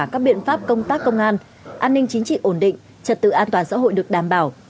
các biện pháp công tác công an an ninh chính trị ổn định trật tự an toàn xã hội được đảm bảo